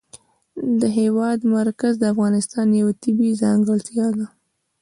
د هېواد مرکز د افغانستان یوه طبیعي ځانګړتیا ده.